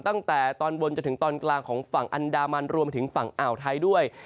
ตั้งแต่ตอนบนจนถึงตอนกลางของฝั่งอันดามันรวมถึงฝั่งอ่าวไทยด้วย